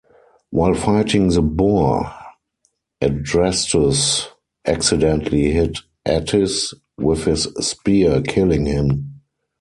While fighting the boar, Adrastus accidentally hit Atys with his spear, killing him.